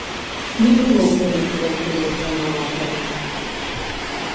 Не было б вялікага хірурга-наватара!